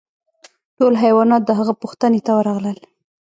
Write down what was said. ټول حیوانات د هغه پوښتنې ته ورغلل.